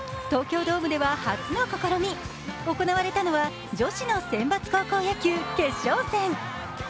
東京ドームでは初の試み。行われたのは女子の選抜高校野球決勝戦。